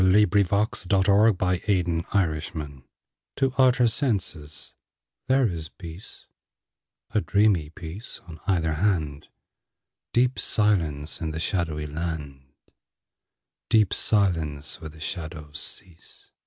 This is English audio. fi4S] II LA FUITE DE LA LUNE TO outer senses there is peace, A dreamy peace on either hand, Deep silence in the shadowy land, Deep silence where the shadows cease.